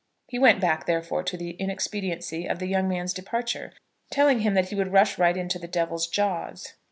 He went back, therefore, to the inexpediency of the young man's departure, telling him that he would rush right into the Devil's jaws.